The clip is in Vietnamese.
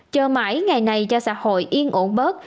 chờ mãi ngày này cho xã hội yên ổn bớt